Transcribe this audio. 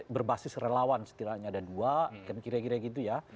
berbasis relawan setidaknya ada dua kan kira kira gitu ya